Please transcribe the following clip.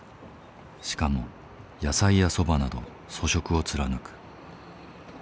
しかも野菜やそばなど粗食を貫く。